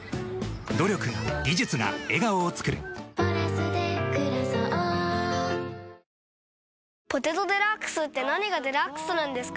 ＳＭＢＣ日興証券「ポテトデラックス」って何がデラックスなんですか？